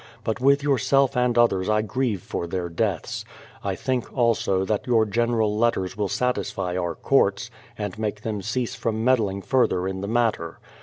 But with yourself and others I grieve for their deaths. I think, also, that your general letters will satisfy our courts, and make them cease from meddhng further in the matter.